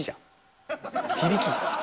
響き？